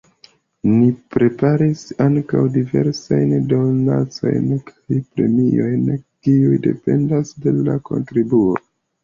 Ni preparis ankaŭ diversajn donacojn kaj premiojn, kiuj dependas de la kontribuo.